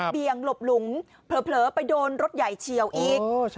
ี่ยงหลบหลุมเผลอไปโดนรถใหญ่เฉียวอีก